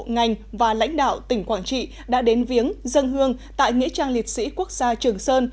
ngành và lãnh đạo tỉnh quảng trị đã đến viếng dân hương tại nghĩa trang liệt sĩ quốc gia trường sơn